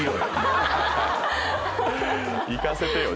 行かせてよ。